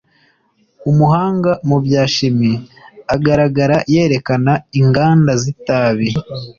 Umuhanga mu bya shimi agaragara yerekana inganda z’itabi